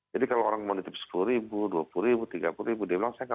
jadi kalau orang mau ditip rp sepuluh rp dua puluh rp tiga puluh dia bilang